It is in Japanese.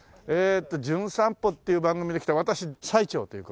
『じゅん散歩』っていう番組で来た私最澄っていう事で。